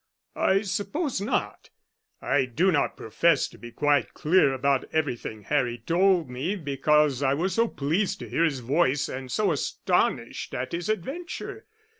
"I suppose not. I do not profess to be quite clear about everything Harry told me because I was so pleased to hear his voice and so astonished at his adventure.